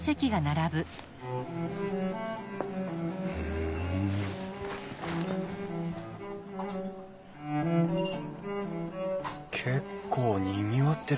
ふん結構にぎわってる。